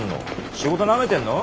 仕事なめてんの？